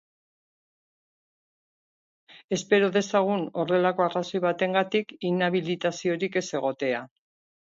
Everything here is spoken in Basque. Espero dezagun horrelako arrazoi batengatik inhabilitaziorik ez egotea.